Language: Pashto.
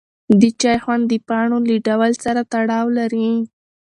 د چای خوند د پاڼو له ډول سره تړاو لري.